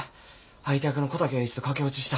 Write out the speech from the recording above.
相手役の小竹英一と駆け落ちした。